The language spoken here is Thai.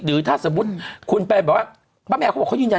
หรือถ้าสมมุติคุณไปแบบว่าป้าแมวเขาบอกเขายืนยัน